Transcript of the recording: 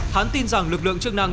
hắn tin rằng lực lượng chức năng